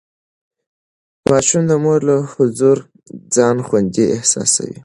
ماشوم د مور له حضور ځان خوندي احساسوي.